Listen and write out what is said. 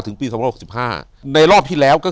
อยู่ที่แม่ศรีวิรัยิลครับ